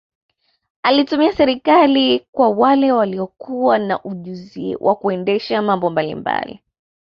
Alitumia serikali kwa wale walio kuwa na ujuziwa kuendesha mambo mbalimbali